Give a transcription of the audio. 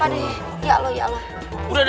ya allah ya sudah